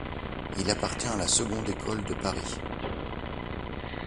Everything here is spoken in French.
Il appartient à la seconde École de Paris.